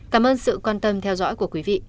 cảm ơn sự quan tâm theo dõi của quý vị